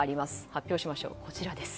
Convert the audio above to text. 発表しましょう、こちらです。